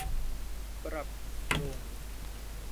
ปรับปรุง